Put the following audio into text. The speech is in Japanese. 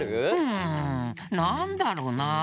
うんなんだろうなあ。